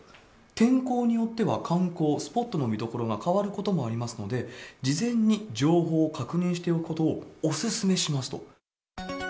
天候によっては観光スポットの見どころが変わることもありますので、事前に情報を確認しておくことをお勧めしますと。